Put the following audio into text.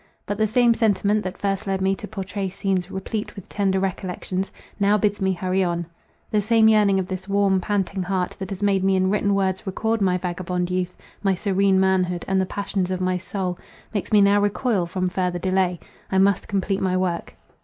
But the same sentiment that first led me to pourtray scenes replete with tender recollections, now bids me hurry on. The same yearning of this warm, panting heart, that has made me in written words record my vagabond youth, my serene manhood, and the passions of my soul, makes me now recoil from further delay. I must complete my work.